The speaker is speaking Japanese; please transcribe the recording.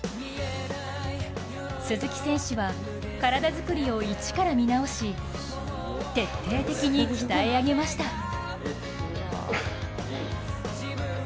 鈴木選手は体作りを一から見直し徹底的に鍛え上げました。